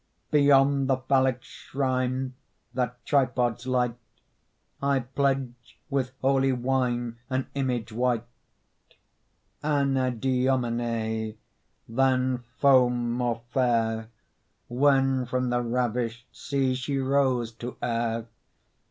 Beyond the phallic shrine That tripods light, I pledge with holy wine An image white; Anadyomene, Than foam more fair, When from the ravished sea She rose to air.